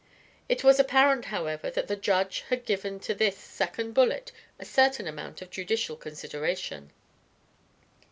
It was apparent, however, that the Judge had given to this second bullet a certain amount of judicial consideration.